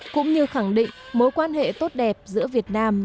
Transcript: cũng như khẳng định mối quan hệ tốt đẹp giữa việt nam